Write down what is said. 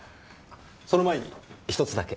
その前に１つだけ。